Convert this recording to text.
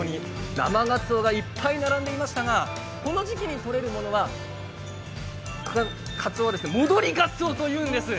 生がつおがいっぱい並んでいましたが、この時期に取れるかつおは戻りがつおというんです。